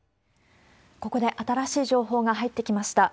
ここで、新しい情報が入ってきました。